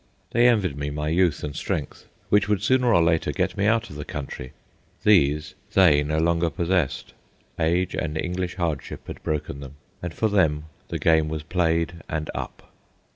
They envied me my youth and strength, which would sooner or later get me out of the country. These they no longer possessed. Age and English hardship had broken them, and for them the game was played and up.